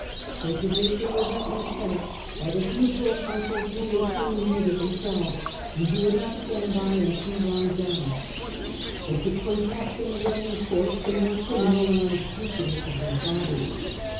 They could make their resentment felt by the few proconsuls who were cleanhanded themselves, and who would not stand by and see wrong done. They could protect in the Roman courts the more criminal and unscrupulous of their body.